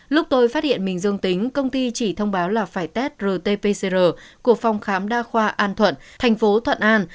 lúc tôi phát hiện mình dương tính công ty chỉ thông báo là phải test rt pcr của phòng khám đa khoa an thuận thành phố thuận an